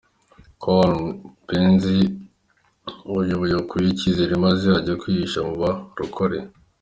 Col Mupenzi uyu ubu yakuweho ikizere maze ajya kwihisha mubarokore.